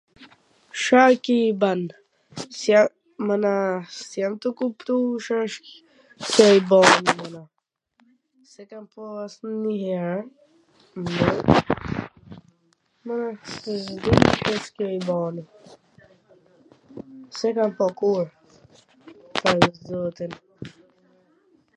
Sha a ki IBAN? S jam mana s jam tu kuptu pwr ... Ca a IBANi mana, s e kam pa as ndonjiher, mana, s di C asht ky aibani. s e kam pa kurr, pash zotin.